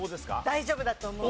大丈夫だと思う。